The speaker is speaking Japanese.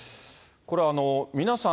これ、皆さん